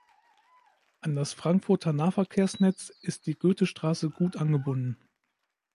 An das Frankfurter Nahverkehrsnetz ist die Goethestraße gut angebunden.